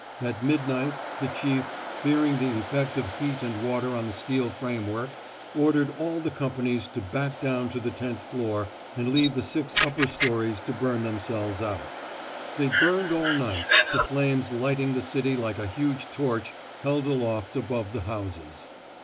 At midnight, the chief, fear ing the effect of heat and water on the steel framework, ordered all the companies to back down to the tenth floor and leave the six upper stories to bum themselves out. They burned all night, the flames lighting the city like a huge torch held aloft above the houses.